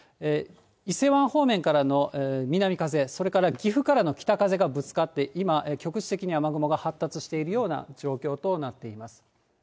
伊勢湾方面からの南風、それから岐阜からの北風がぶつかって今、局地的に雨雲が発達しているような状況となっています。